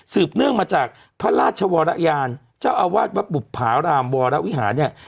เนื่องมาจากพระราชวรยานเจ้าอาวาสวัดบุภารามวรวิหารเนี่ย